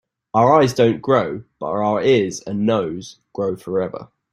Our eyes don‘t grow, but our ears and nose grow forever.